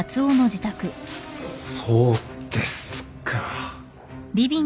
そうですか。